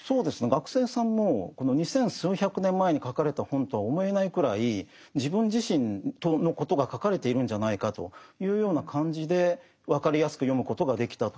学生さんも二千数百年前に書かれた本とは思えないくらい自分自身のことが書かれているんじゃないかというような感じで分かりやすく読むことができたと。